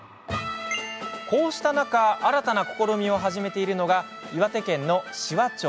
こうした中新たな試みを始めているのが岩手県の紫波町